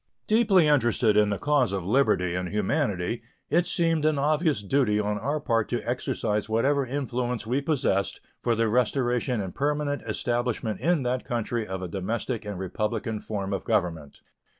Deeply interested in the cause of liberty and humanity, it seemed an obvious duty on our part to exercise whatever influence we possessed for the restoration and permanent establishment in that country of a domestic and republican form of government.